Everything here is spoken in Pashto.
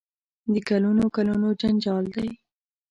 د کلونو کلونو جنجال دی.